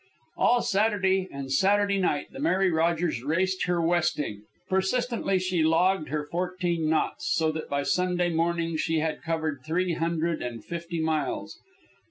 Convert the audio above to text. All Saturday and Saturday night the Mary Rogers raced her westing. Persistently she logged her fourteen knots, so that by Sunday morning she had covered three hundred and fifty miles.